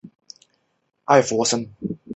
其后史书事迹不载。